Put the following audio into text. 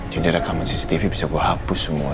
jadi rekaman cctv bisa gue hapus semua